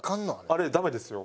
あれダメですよ。